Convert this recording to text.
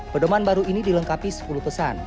pedoman baru ini dilengkapi sepuluh pesan